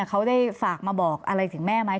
เขาได้ฝากมาบอกอะไรถึงแม่ไหม